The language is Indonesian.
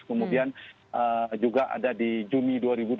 kemudian juga ada di juni dua ribu dua puluh